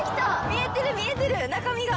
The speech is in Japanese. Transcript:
見えてる見えてる中身が。